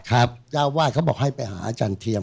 เจ้าวาดเขาบอกให้ไปหาอาจารย์เทียม